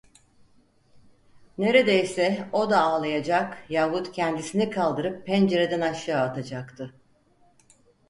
Neredeyse o da ağlayacak yahut kendisini kaldırıp pencereden aşağı atacaktı.